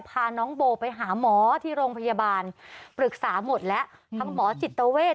พาน้องโบไปหาหมอที่โรงพยาบาลปรึกษาหมดแล้วทั้งหมอจิตเวท